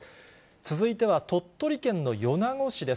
続いては鳥取県の米子市です。